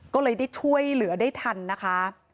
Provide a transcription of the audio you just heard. ก็เลยได้ช่วยเหลือได้ทันนะคะ